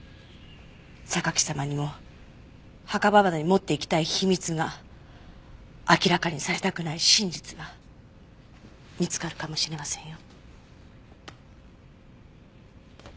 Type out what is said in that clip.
榊様にも墓場まで持っていきたい秘密が明らかにされたくない真実が見つかるかもしれませんよ。